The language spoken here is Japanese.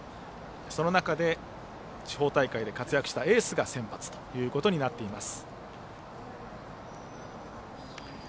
その中で、地方大会で活躍したエースが先発となっています。